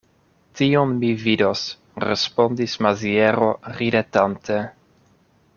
Tion mi vidos, respondis Maziero ridetante.